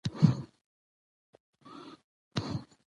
پلار د کورنۍ لپاره د راتلونکي پلان جوړوي